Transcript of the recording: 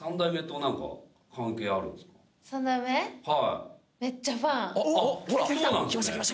はい。